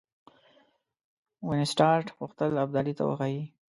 وینسیټارټ غوښتل ابدالي ته وښيي.